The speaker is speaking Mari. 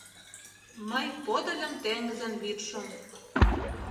Мый подыльым теҥызын вӱдшым